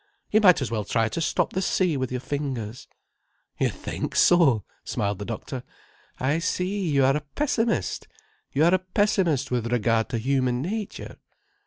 "You might as well try to stop the sea with your fingers." "You think so?" smiled the doctor. "I see, you are a pessimist. You are a pessimist with regard to human nature."